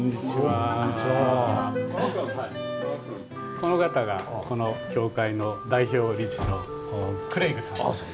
この方がこの教会の代表理事のクレイグさんです。